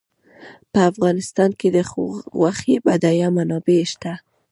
په افغانستان کې د غوښې بډایه منابع شته.